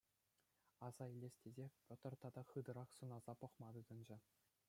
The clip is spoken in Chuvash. Аса илес тесе, Петр тата хытӑрах сӑнаса пӑхма тытӑнчӗ.